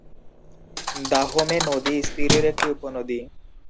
দাহমে নদী স্পিরির একটি উপনদী।